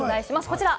こちら。